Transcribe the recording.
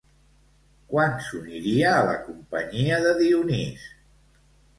Quan s'uniria a la companyia de Dionís?